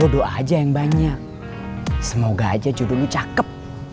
lo doa aja yang banyak semoga aja judul lo cakep